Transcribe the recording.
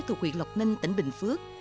thuộc huyện lộc ninh tỉnh bình phước